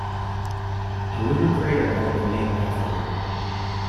A lunar crater has been named after him.